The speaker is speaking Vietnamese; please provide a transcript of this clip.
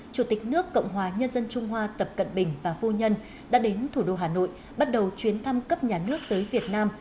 chủ tịch nước cộng hòa nhân dân trung hoa tập cận bình và phu nhân đã đến thủ đô hà nội bắt đầu chuyến thăm cấp nhà nước tới việt nam